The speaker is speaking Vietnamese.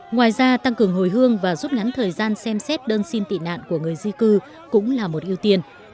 ngoài ra tăng cường hồi hương và rút ngắn thời gian xem xét đơn xin tị nạn của người di cư cũng là một ưu tiên